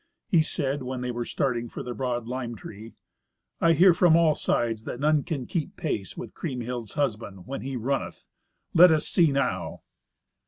He said, when they were starting for the broad lime tree, "I hear from all sides that none can keep pace with Kriemhild's husband when he runneth. Let us see now."